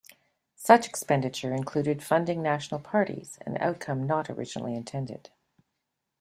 Such expenditure included funding national parties, an outcome not originally intended.